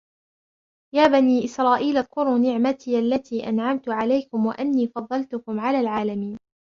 يَا بَنِي إِسْرَائِيلَ اذْكُرُوا نِعْمَتِيَ الَّتِي أَنْعَمْتُ عَلَيْكُمْ وَأَنِّي فَضَّلْتُكُمْ عَلَى الْعَالَمِينَ